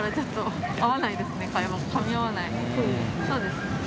そうですね。